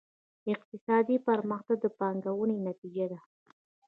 اقتصادي پرمختګ د پانګونې نتیجه ده.